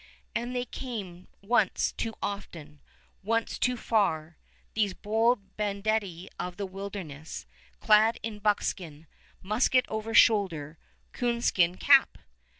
And they came once too often, once too far, these bold banditti of the wilderness, clad in buckskin, musket over shoulder, coonskin cap!